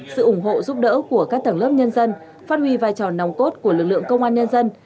sự ủng hộ giúp đỡ của các tầng lớp nhân dân phát huy vai trò nòng cốt của lực lượng công an nhân dân